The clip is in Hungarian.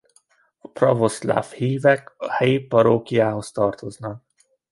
A pravoszláv hívek a helyi parókiához tartoznak.